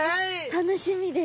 楽しみです。